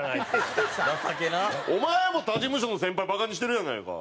お前も他事務所の先輩バカにしてるやないか！